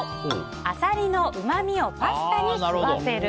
アサリのうまみをパスタに吸わせる。